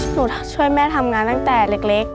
ช่วยแม่ทำงานตั้งแต่เล็ก